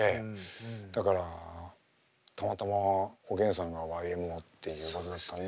だからたまたまおげんさんがＹＭＯっていうことだったので。